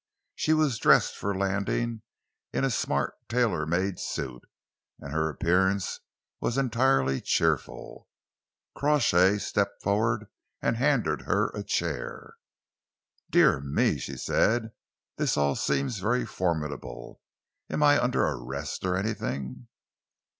She was dressed for landing in a smart tailor made suit, and her appearance was entirely cheerful. Crawshay stepped forward and handed her a chair. "Dear me," she said, "this all seems very formidable! Am I under arrest or anything?"